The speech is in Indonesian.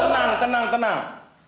tenang tenang tenang